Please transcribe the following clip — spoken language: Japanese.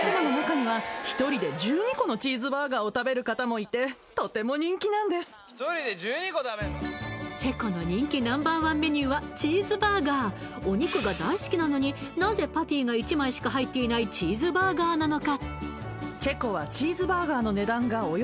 そしてチェコの人気Ｎｏ．１メニューはチェコの人気Ｎｏ．１メニューはチーズバーガーお肉が大好きなのになぜパティが１枚しか入ってないチーズバーガーなのか？